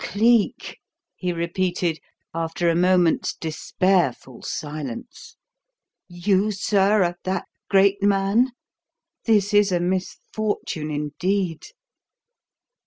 "Cleek!" he repeated, after a moment's despairful silence. "You, sir, are that great man? This is a misfortune, indeed."